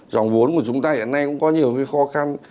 dòng vốn của chúng ta hiện nay cũng có nhiều khó khăn